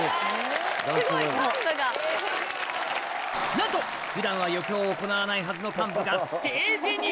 なんと普段は余興を行わないはずの幹部がステージに！